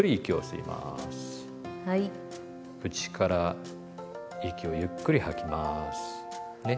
口から息をゆっくり吐きますね。